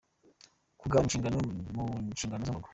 Kugabana inshingano mu nshingano zo mu rugo.